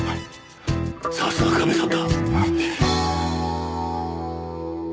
さすがカメさんだ。